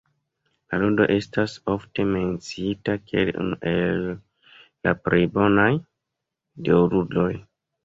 La ludo estas ofte menciita kiel unu el la plej bonaj videoludoj.